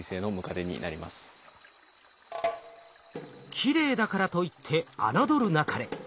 きれいだからといって侮るなかれ。